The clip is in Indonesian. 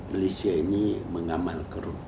malaysia ini mengamalkan